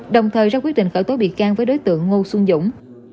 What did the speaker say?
đồng thời ra quyết định khởi tố bị can với đối tượng ngô xuân dũng